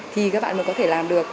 thì các bạn mới có thể làm được